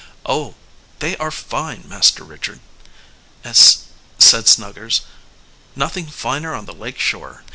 "Oh, they are fine, Master Richard," said Snuggers. "Nothing finer on the lake shore.